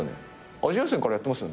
アジア予選からやってますよね。